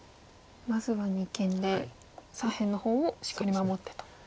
まずは二間で左辺の方をしっかり守ってと。